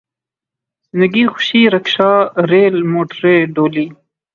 زندگی خوشی رکشا ریل موٹریں ڈولی